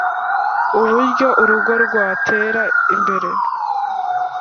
uburyo urugo rwatera imbere